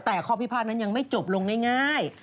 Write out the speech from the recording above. แต่ข้อพิพาทนั้นยังไม่จบลงง่าย